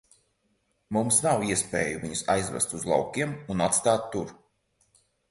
Mums nav iespēju viņus aizvest uz laukiem un atstāt tur.